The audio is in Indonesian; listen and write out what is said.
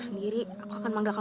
dengarkan aku ya